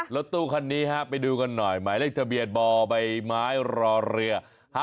รถตู้คันนี้ไปดูกันหน่อยหมายเลขทะเบียนบ่อใบไม้รอเรือ๕๗